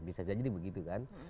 bisa jadi begitu kan